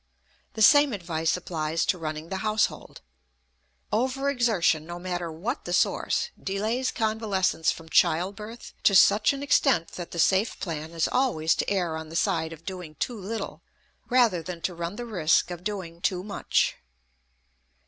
The same advice applies to running the household. Over exertion, no matter what the source, delays convalescence from child birth to such an extent that the safe plan is always to err on the side of doing too little, rather than to run the risk of doing too much.